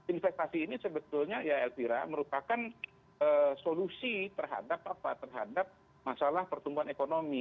investasi ini sebetulnya ya elvira merupakan solusi terhadap apa terhadap masalah pertumbuhan ekonomi